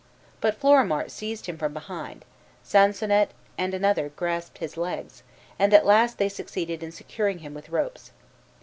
But Florimart seized him from behind, Sansonnet and another grasped his legs, and at last they succeeded in securing him with ropes.